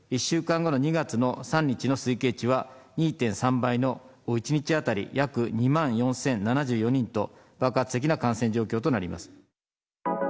１週間後の２月の３日の推計値は２．３倍の、１日当たり約２万４０７４人と、爆発的な感染状況となります。